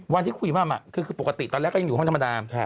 วันที่คุยมั่มคือปกติตอนแรกก็ยังอยู่ห้องธรรมดา